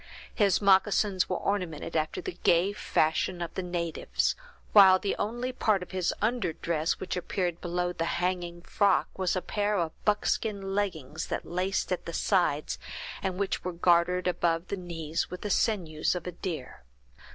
His moccasins were ornamented after the gay fashion of the natives, while the only part of his under dress which appeared below the hunting frock was a pair of buckskin leggings, that laced at the sides, and which were gartered above the knees, with the sinews of a deer.